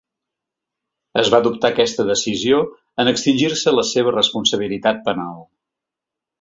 Es va adoptar aquesta decisió en extingir-se la seva responsabilitat penal.